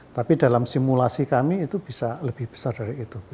tapi dalam simulasi kami itu bisa lebih besar dari itu